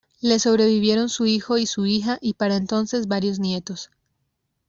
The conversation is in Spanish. Le sobrevivieron su hijo y su hija y para entonces, varios nietos.